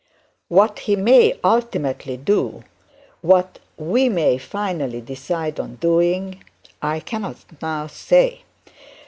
What he may ultimately do what we may finally decide on doing I cannot say.